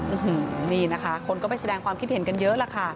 อืมนี่นะคะคนก็ไปแสดงความคิดเห็นกันเยอะล่ะค่ะ